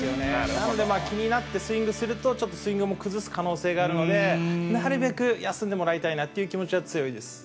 なので、気になってスイングすると、ちょっとスイングも崩す可能性もあるので、なるべく休んでもらいたいなという気持ちは強いです。